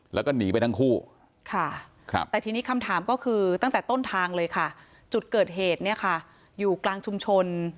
แล้วก็หนีไปทั้งคู่ครับจุดเกิดเหตุอยู่กลางชุมชน